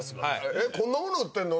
えっこんなもの売ってるの？